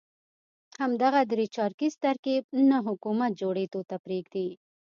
همدغه درې چارکیز ترکیب نه حکومت جوړېدو ته پرېږدي.